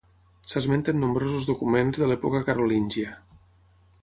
S'esmenta en nombrosos documents de l'època carolíngia.